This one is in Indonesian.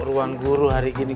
ruang guru hari ini